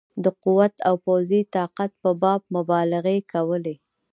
د قوت او پوځي طاقت په باب مبالغې کولې.